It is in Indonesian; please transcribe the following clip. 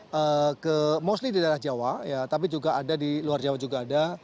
tidak ke mostly di daerah jawa ya tapi juga ada di luar jawa juga ada